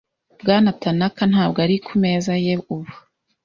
Bwana Tanaka ntabwo ari ku meza ye ubu .